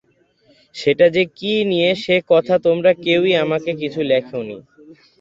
সেটা যে কি নিয়ে সে কথা তোমরা কেউই আমাকে কিছু লেখনি।